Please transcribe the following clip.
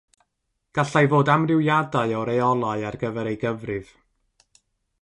Gallai fod amrywiadau o reolau ar gyfer ei gyfrif.